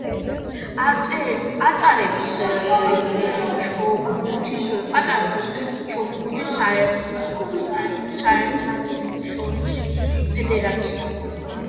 ატარებს ჩოგბურთის საერთაშორისო ფედერაცია.